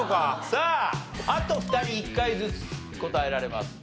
さああと２人１回ずつ答えられます。